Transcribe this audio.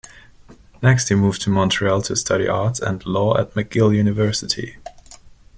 Next he moved to Montreal to study arts and law at McGill University.